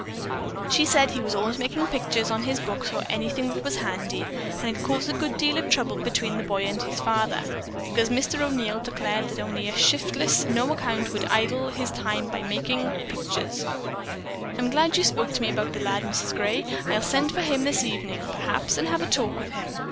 She said he was always making pictures on his books or on anything that was handy, and it caused a good deal of trouble between the boy and his father, because Mr. O'Neil declared that only a shiftless, no account would idle his time away making pictures. I'm glad you spoke to me about the lad, Mrs. Gray. I'll send for him this evening perhaps, and have a talk with him.